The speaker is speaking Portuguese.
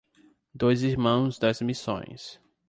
Dois Irmãos das Missões